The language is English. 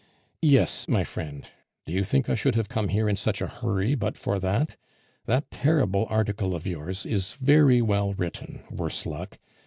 "Yes, my friend; do you think I should have come here in such a hurry but for that? That terrible article of yours is very well written, worse luck.